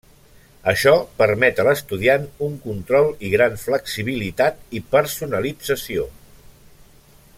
Això permet a l'estudiant un control i gran flexibilitat i personalització.